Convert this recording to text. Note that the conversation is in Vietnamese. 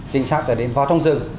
chính xác là đến vào trong rừng